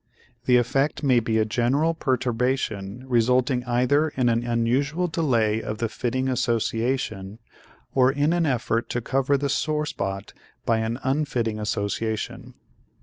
The effect may be a general perturbation resulting either in an unusual delay of the fitting association or in an effort to cover the sore spot by an unfitting association.